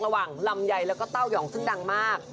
ลำไยแล้วก็เต้ายองซึ่งดังมาก